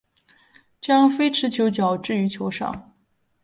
将非持球脚置于球上。